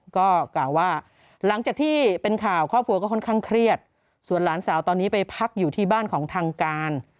ก็กล่าวว่าหลังจากที่เป็นข่าวครอบครัวก็ค่อนข้างเครียดส่วนหลานสาวตอนนี้ไปพักอยู่ที่บ้านของทางการ